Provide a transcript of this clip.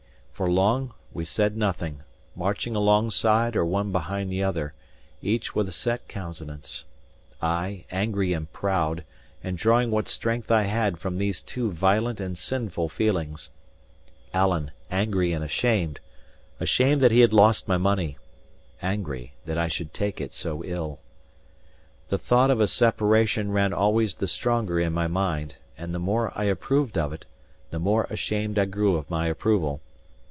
For long, we said nothing; marching alongside or one behind the other, each with a set countenance: I, angry and proud, and drawing what strength I had from these two violent and sinful feelings; Alan angry and ashamed, ashamed that he had lost my money, angry that I should take it so ill. The thought of a separation ran always the stronger in my mind; and the more I approved of it, the more ashamed I grew of my approval.